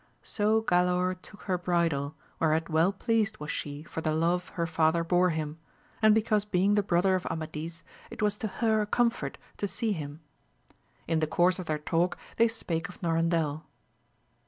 So Galaor took her bridle, whereat well pleased was she for the love her father bore him, and because being the brother of Amadis, it was to her a comfort to see him. In the course of their talk they spake of Norandel.